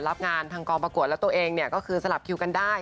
รับงานทางกองประกวดแล้วตัวเองเนี่ยก็คือสลับคิวกันได้